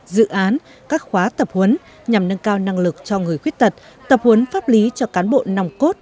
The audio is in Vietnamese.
dự án các khóa tập huấn nhằm nâng cao năng lực cho người khuyết tật tập huấn pháp lý cho cán bộ nòng cốt